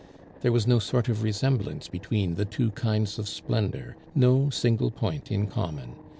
There was no sort of resemblance between the two kinds of splendor, no single point in common.